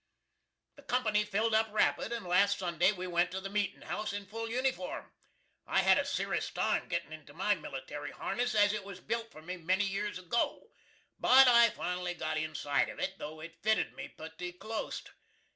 The company filled up rapid, and last Sunday we went to the meetin house in full uniform. I had a seris time gittin into my military harness, as it was bilt for me many years ago; but I finally got inside of it, tho' it fitted me putty clost.